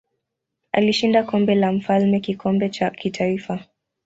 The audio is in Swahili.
Alishinda Kombe la Mfalme kikombe cha kitaifa.